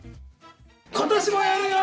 今年もやるよ！